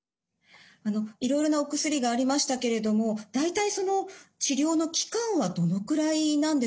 あのいろいろなお薬がありましたけれども大体その治療の期間はどのくらいなんでしょうか？